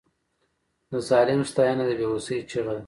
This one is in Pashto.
د ظالم ستاینه د بې وسۍ چیغه ده.